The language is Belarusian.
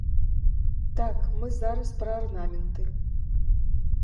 Так, мы зараз пра арнаменты.